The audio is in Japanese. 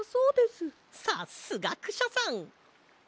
さすがクシャさん！